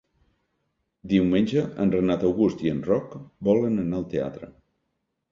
Diumenge en Renat August i en Roc volen anar al teatre.